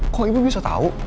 kok ibu bisa tau